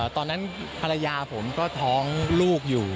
ตอนนั้นภรรยาผมก็ท้องลูกอยู่